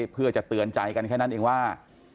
เพื่อจะเตือนใจกันแค่นั้นเองว่า